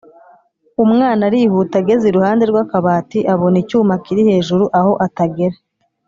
umwana arihuta ageze iruhande rw’akabati abona icyuma kiri hejuru aho atagera